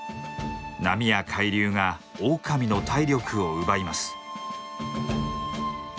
波や海流がオオカミの体力を奪います。